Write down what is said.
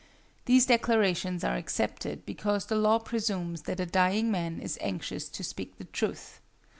These declarations are accepted because the law presumes that a dying man is anxious to speak the truth.